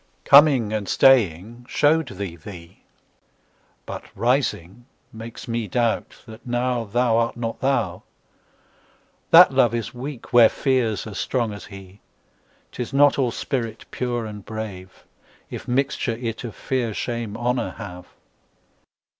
Coming and staying show'd thee thee; But rising makes me doubt that nowThou art not thou. That Love is weak where Fear's as strong as he;'Tis not all spirit pure and brave, If mixture it of Fear, Shame, Honour have.